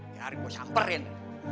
jangan gue samperin